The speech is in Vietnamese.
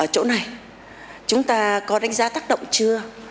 chúng ta có đánh giá tác động chưa